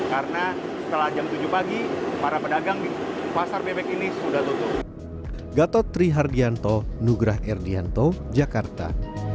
karena setelah jam tujuh pagi para pedagang di pasar bebek ini sudah tutup